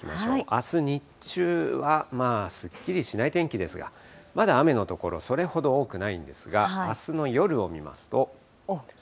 あす日中は、まあすっきりしない天気ですが、まだ雨の所、それほど多くないんですが、あすの夜を見ますと。